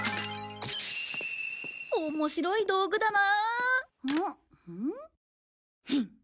面白い道具だな。